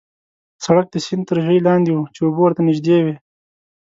سړک د سیند تر ژۍ لاندې وو، چې اوبه ورته نژدې وې.